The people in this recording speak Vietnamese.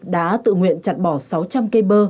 đã tự nguyện chặt bỏ sáu trăm linh cây bơ